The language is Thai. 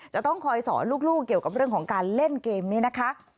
จะต้องคอยสอนลูกเกี่ยวกับเรื่องของการเล่นเกมนี้นะคะ